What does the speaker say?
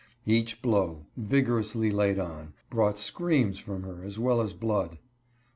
Each blow, vig orously laid on, brought screams from her as well as blood.